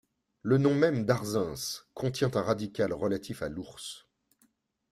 Le nom même d'Arzens contient un radical relatif à l'ours.